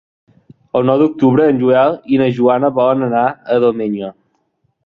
El nou d'octubre en Joel i na Joana volen anar a Domenyo.